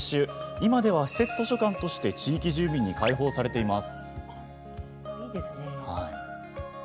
今では、私設図書館として地域住民に開放されています。